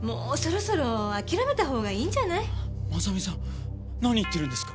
真実さん何言ってるんですか？